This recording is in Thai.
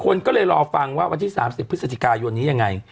คนก็เลยรอฟังว่าวันที่สามสิบพฤษฐกาโยนี้ยังไง